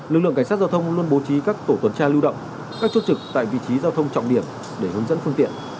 lực lượng cảnh sát giao thông luôn bố trí các tổ tuần tra lưu động các chốt trực tại vị trí giao thông trọng điểm để hướng dẫn phương tiện